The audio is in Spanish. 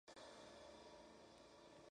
Definitivamente un número uno.